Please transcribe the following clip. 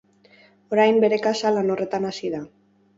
Orain, bere kasa, lan horretan hasi da.